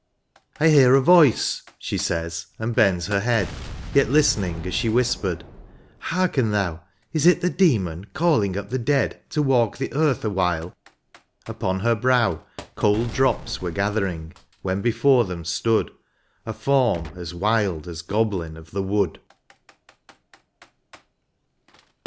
" I hear a voice," she says, and bends her head, Yet listening as she whispered; " hearken thou. Is it the demon calling up the dead To walk the earth awhile V* upon her brow Cold drops were gathering, when before them stood A form as wild as goblin of the wood.